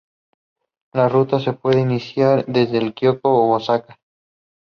Later he went to work at school.